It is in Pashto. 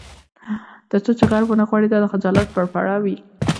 تر څو چې غرب ونه غواړي دا د خجالت پرپړه وي.